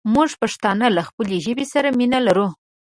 مونږ پښتانه له خپلې ژبې سره مينه لرو